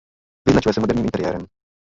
Vyznačuje se moderním interiérem.